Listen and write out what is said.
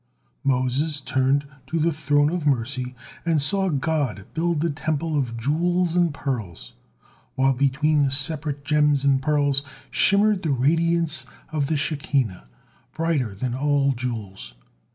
Moses turned to the Throne of Mercy and saw God build the Temple of jewels and pearls, while between the separate gems and pearls shimmered the radiance of the Shekinah, brighter than all jewels.